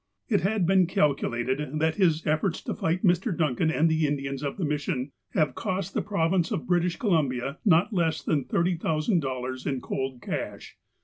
It has been calculated that his efforts to fight Mr. Dun can and the Indians of the mission have cost the Prov ince of British Columbia not less than $30,000 in cold cash.